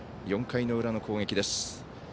４回の裏の攻撃です。